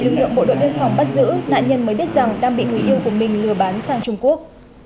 lực lượng bộ đội biên phòng bắt giữ nạn nhân mới biết rằng đang bị người yêu của mình lừa bán sang trung quốc